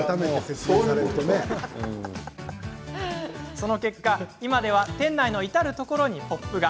その結果、今では店内の至る所にＰＯＰが。